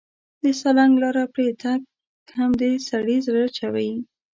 د سالنګ لار پرې تګ هم د سړي زړه چوي.